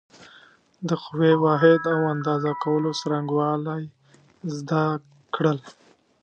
د قوې واحد او اندازه کولو څرنګوالی زده کړل.